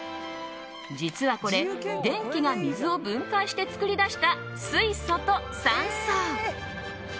実はこれ電気が水を分解して作り出した水素と酸素。